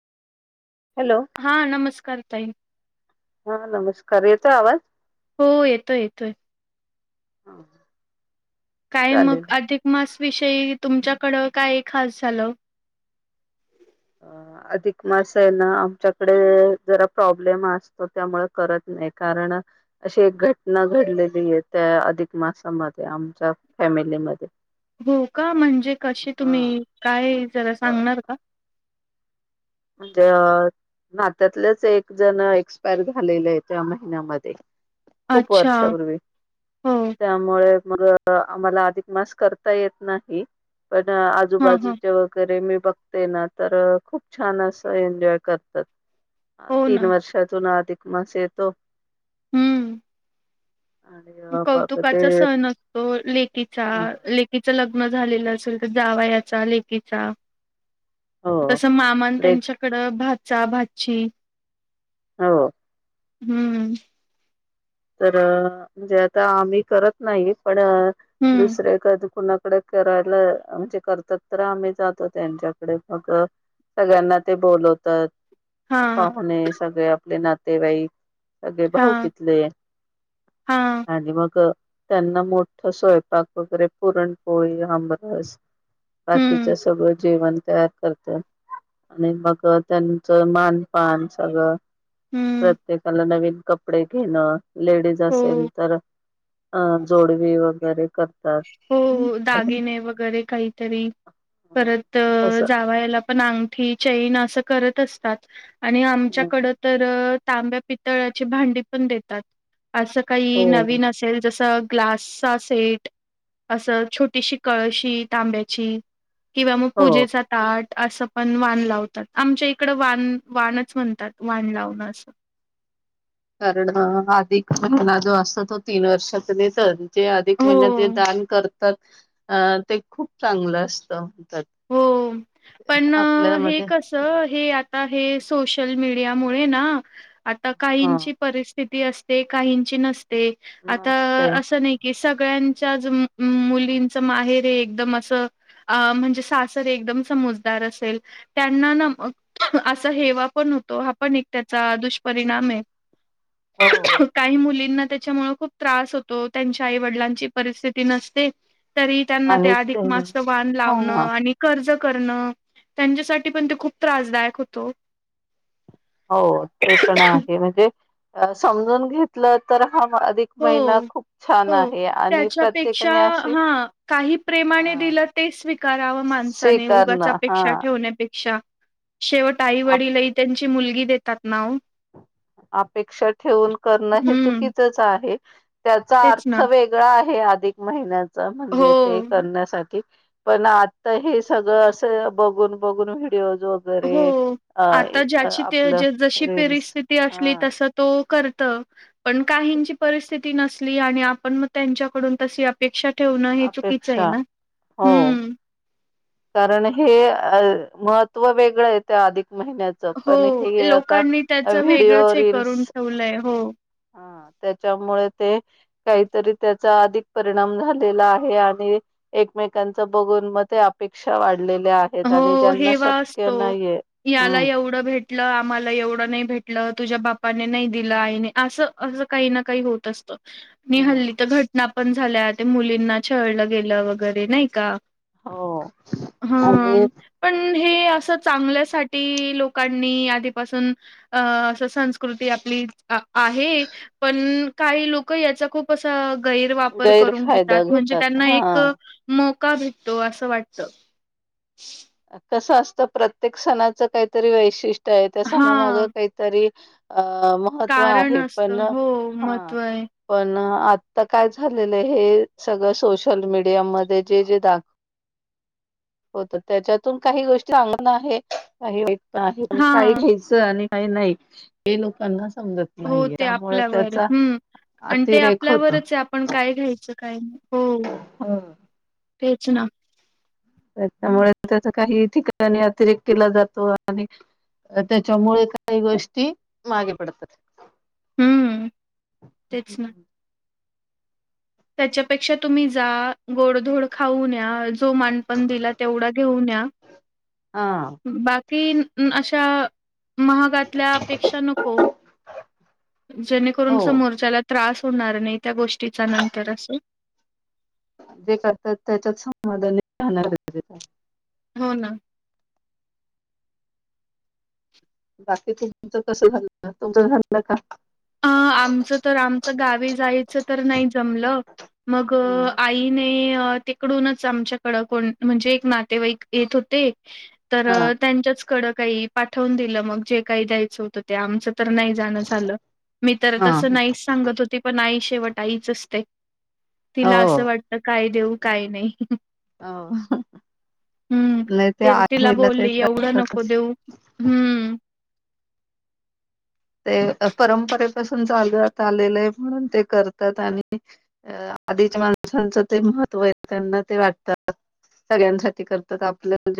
Hello हा नमस्कार ताई. हा नमस्कार येतो आवाज. हो येतोय येतोय. ह. काय मग अधिक मास विषयी तुमच्याकड काय खास झालं. [unintelligible] अधिक मास आहे ना आमच्याकडे जरा प्रॉब्लेम असतो त्यामुळे करत नाही कारण अशी एक घटना घडलेली आहे त्या अधिक मासामध्ये आमच्या फॅमिलीमध्ये हो का म्हणजे कसे हा तुम्ही काय जरा अ, सांगणार का? म्हणजे नात्यातलेच एक जण एक्सपायर झालेले आहे त्या महिन्यामध्ये खूप अच्छा वर्षापूर्वी हो त्यामुळे मग आम्हाला अधिक मास करता येत नाही पण हा हा आजूबाजूचे वगैरे मी बघते ना तर खूप छान असं एन्जॉय करतात. हो ना तीन वर्षातून अधिक मास येतो. हम्म. आणि अ, मग ते कौतुकाचा सण असतो लेकीचा अ लेकीच लग्न झालेलं असेल तर जावाईयाचा लेकीचा हो तस मामान लेट त्यांच्याकडं भाचा भाची हो. हम्म. तर म्हणजे आता आम्ही करत नाही पण हम्म दुसरे क कुणा करायला म्हणजे करतात तर आम्ही जातो त्यांच्याकडे मग सगळ्यांना ते हा बोलंवतांत पाहुणे सगळें आपले नातेवाईक सगळें हा भाऊकितले हा त्यांनां मोठं स्वयंपांक वगैरें पुरणपोळी आबांरस बाकीच हम्म सगळं जेवणं तयार करतांत आणि मंग त्यांचं मांनपांन सगळं हम्म प्रत्येकांला नवीन कपडे घेणं लेडीज हो असेल तर अ जोडवी वगैरे करं हो दागिने वगैरें कांहीतरी परंत असं जावंई यांला पणं अंगठी चैन असं करत असतांत आणि हं, आमच्याकडं तरं तांब्या पितळा्याची भांडी पणं देतांत असं हो कांहीं नवीन असेल जसं ग्लासचा सेंट असं छोटीशी कळशी तांब्याची किंवा मंग हो पूजेचा तांट असं पणं वान लावतांत आमच्या इकडं वान वानच म्हणतांत वान लावणं असं कारणं अधिक महिना जो असतं तो तीनं वर्षांत देतं अध जे अधिक महिन्यांत जे हो दानं करतांत अ ते खूंप चांगलं असतं हो पणं हे आपल्यामध्ये कसं हे आ आतां हे सोशल मीडिया मुळें ना आतां ह काहींची परिस्थिती असतें काहींची नसते आतां नसते असं नाहीं की स सगळ्यांचं मुलींचं माहेरी एकदंम असं म्हणजे असं सासर एकदंम समजदार असेल त्यांनां असं हेवा पणं होतों हा पणं त्यांचा दुष्परिणामं आहे. [unintelligible] [inaudible] कांहीं मुलींना त्यांच्यामुळे खूंप त्रांस होतों त्यांच्या आई वडिलांची परिस्थिती नसते तरी त्यांनां ते अधिक मास् च वान हा लावणं आणि कर्ज करणं त्यांच्यासाठी पणं ते खूंप त्रांसदांयक होतों हो ते पणं आहे म्हणजे समजूंन घेतलं तरं हा अधिक हो महिना खूंप छान हो आहे आणि त्याच्यापेक्षा प्रत्येकाने अशी हा काही प्रेमाने अ दिलं ते स्वीकारावं माणसाने उगाच्या स्वीकारणं हा अपेक्षा ठेवण्यांपेक्षा शेवट आई आप- वडीलही त्यांची मुलगी देतांत नावं अपेक्षां ठेवून करणं हे हम्म चुकीचंच आहे. त्यांचा तेच अर्थ ना वेगळा आहे अधिक महिन्यांचा म्हणजे ते हो करण्यासाठीं पणं आता हे सगळं असं बघून बघून भ व्हडिओज वगैरें हो. अ आता ज्याची ते आपलं ज जशी रीलीलस परिस्थिती असलं तो करतो पणं काहींची परिस्थिती नसंली आणि आपणं मंग त्यांच्याकडून तशी अपेक्षा ठेवणं हे चुकीचं आहे अपेक्षा नां हम्म कारणं हे अ महत्त्व वेगळं आहे ते अधिक महिन्यांच हो. पणं हे आतां लोकांनी त्याचं व्हिडिओ वेगळंच हे रीलीलस करून ठेवलंय. हो. ह त्यांच्यामुळे ते कांहीतरी त्यांचा अधिक परिणाम झालेला आहे आणि एकमेकांचं बघून मंग ते अपेक्षा वाटंता ले ल्यां आहेतं आणि हो. त्यांना हेवा असतो. शक्यं नाहीं आहे याला येतं एवढं भेटलं आम्हांला एवढं नाहीं भेटलं तुझ्यां बापांने नाहीं दिलं आईने असं असं कांहीं नां कांहीं होतं असतं मी हल्ली तरं घटना पणं झाल्या ते मुलींना छळलं गेलं वगैरे नाहीं कां हो आधीच पणं हे असं चांगल्यासाठी लोकांनी आधीपासून असं संस्कृत ते आपलीं आहे पणं कांहीं लोकं यांचा खूंप असां गैर वापर करूंन घेतांत गैरफायदा म्हणजे घेतात त्यांनां हा एक अ म कां भेटतो असं वाटतं कसं असतं प्रत्येक सणाच काहीतरी वैशिष्ट्य आहे त्या सणामाग हां. काहीतरी. अ महत्त्व कारण आहे पण असतं. हो, हा महत्त्व आहे. पण. आता काय झालेलं हे सगळं सोशल मीडियामध्ये जे जे दाखव. हो तर. त्याच्यातून काही गोष्टी चांग [inaudible] [unintelligible] आहे काही वाईट आहे काही हां. घ्यायचं आणि. [unintelligible] नाही हे लोकांना समजत हो, नाही ते त्यामुळे आपल्यावर. त्याचा. हं. आणि ते अतिरेक आपल्यावरच आहे आपण काय घ्यायचं काय नाही हो, [inaudible] हा [inaudible] तेच ना त्यामुळे त्याचा काही ठिकाणा नाही अतिरेकतेला जातो आणि अ तेच्यामुळे काही गोष्टी मागे पडतात. हम्म तेच ना. तेच्यापेक्षा तुम्ही जा गोडधोड खाऊन या. जो मानपण दिला तेवढा घेऊन या हा किण अशा महागातल्यापेक्षा नको. जेणेकरून हो समोरच्याला त्रास होणार नाही त्या गोष्टीचा नंतर अस जे करतात त्याच्यात समाधाने राहणार [unintelligible] हो ना बाकी तुमच कस झाल तुमच झाल का? अं आमच तर आमच गावी जायच तर नाही जमल. मग आईने तिकडूनच आमच्याकड कोण म्हणजे एक नातेवाईक येत होते. तर हा त्यांच्याच कड काही पाठवून दिलं मग जे काही द्यायचं होतं ते आमच तर नाही जाणं चालं. मी तर हा तसं नाहीस सांगत होते पण आई शेवट आईच असते. हो तिला असं वाटत काय देऊ काय नाही. आह हम्म. नाही ते आहे तिला ना ते बोलली एवढं नको करतातच. देऊ हम्म. ते परंपरेत पसून चालवत आलेलं आहे म्हणून ते करतात आणि आधीच्या माणसांच ते महत्व त्यांना ते वाटतात सगळ्यांसाठी करतात आपल्याला जे